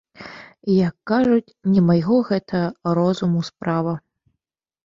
Як кажуць, не майго гэта розуму справа.